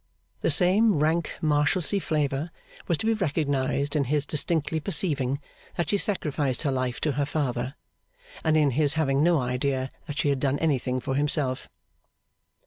The same rank Marshalsea flavour was to be recognised in his distinctly perceiving that she sacrificed her life to her father, and in his having no idea that she had done anything for himself.